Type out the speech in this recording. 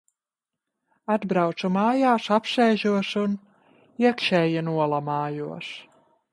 Atbraucu mājās, apsēžos, un... iekšēji nolamājos.